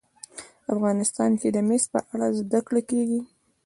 افغانستان کې د مس په اړه زده کړه کېږي.